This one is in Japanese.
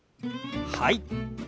はい！